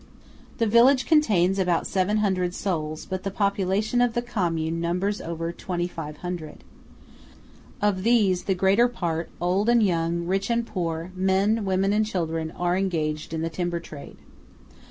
The village contains about 700 souls, but the population of the Commune numbers over 2500. Of these, the greater part, old and young, rich and poor, men, women and children, are engaged in the timber trade.